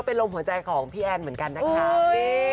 กดอย่างวัยจริงเห็นพี่แอนทองผสมเจ้าหญิงแห่งโมงการบันเทิงไทยวัยที่สุดค่ะ